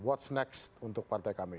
what's next untuk partai kami